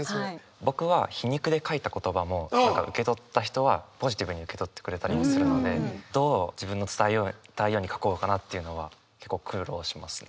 僕は皮肉で書いた言葉も何か受け取った人はポジティブに受け取ってくれたりもするのでどう自分の伝えたいように書こうかなっていうのは結構苦労しますね。